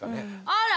あら。